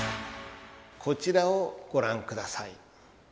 こちらをご覧ください。